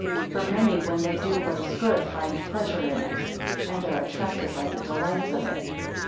For many, when they do what is good, find pleasure in it, and are attracted by the delights of it.